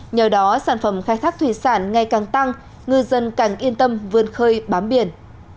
nhờ đó sản phẩm khai thác thủy sản ngày càng tăng ngư dân càng yên tâm vươn khơi bám biển